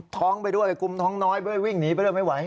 ท้องไปด้วยกลุ่มท้องน้อยไปวิ่งหนีไปแล้วไม่ไหว